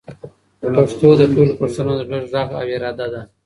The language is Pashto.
پښتو د ټولو پښتنو د زړه غږ او اراده ده.